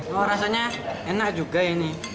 wah rasanya enak juga ini